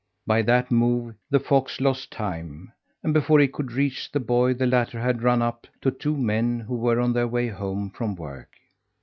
By that move the fox lost time, and before he could reach the boy the latter had run up to two men who were on their way home from work.